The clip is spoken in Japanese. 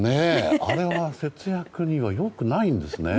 あれ、節約には良くないんですね。